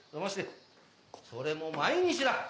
それも毎日だ！